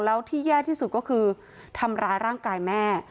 แล้วที่แย่ที่สุดก็คือทำร้ายร่างกายแม่